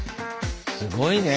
すごいね。